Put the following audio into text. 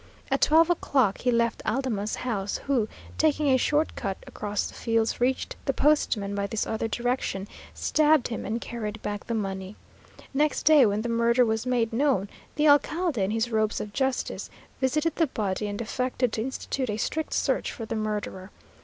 At twelve o'clock he left Aldama's house, who, taking a short cut across the fields, reached the postman by this other direction, stabbed him, and carried back the money. Next day, when the murder was made known, the alcalde, in his robes of justice, visited the body, and affected to institute a strict search for the murderer.